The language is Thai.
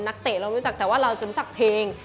เตะเรารู้จักแต่ว่าเราจะรู้จักเพลง